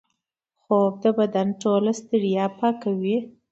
خوب د بدن ټوله ستړیا پاکوي